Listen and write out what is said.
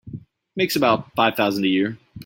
Makes about five thousand a year.